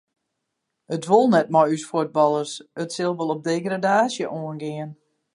It wol net mei ús fuotballers, it sil wol op degradaasje oangean.